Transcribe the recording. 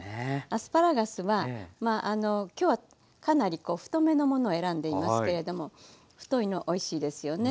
アスパラガスは今日はかなり太めのものを選んでいますけれども太いのおいしいですよね。